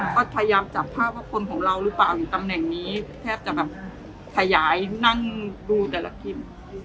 ก็พยายามจับภาพว่าคนของเราหรือเปล่าอยู่ตำแหน่งนี้แทบจะแบบขยายนั่งดูแต่ละทีม